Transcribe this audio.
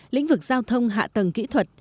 lĩnh vực giao thông hạ tầng kỹ thuật